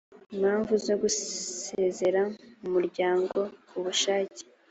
impamvu zo gusezera mu muryango ku bushake